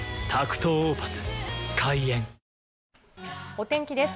お天気です。